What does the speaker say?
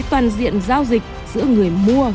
toàn diện giao dịch giữa người mua